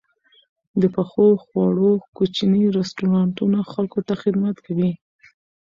د پخو خوړو کوچني رستورانتونه خلکو ته خدمت کوي.